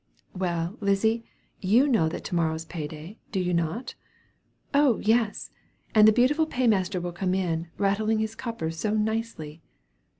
"Well, Lizzy, you know that 'to morrow is pay day,' do you not?" "Oh yes, and the beautiful pay master will come in, rattling his coppers so nicely."